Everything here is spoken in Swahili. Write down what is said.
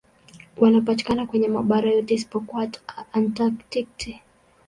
Wanapatikana kwenye mabara yote isipokuwa Antaktiki.